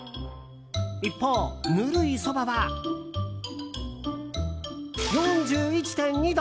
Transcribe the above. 一方、ぬるいそばは４１．２度！